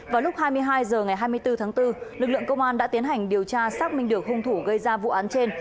vào lúc hai mươi hai h ngày hai mươi bốn tháng bốn lực lượng công an đã tiến hành điều tra xác minh được hung thủ gây ra vụ án trên